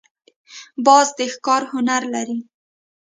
باز د ښکار هنر لري